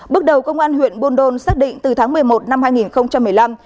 bước đầu công an huyện buôn đôn xác định từ tháng một mươi một năm hai nghìn một mươi năm